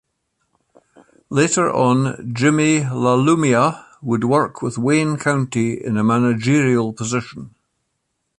Later on Jimi LaLumia would work with Wayne County in a managerial position.